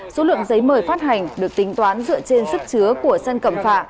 số lượng giấy mời phát hành được tính toán dựa trên sức chứa của sân cẩm phạ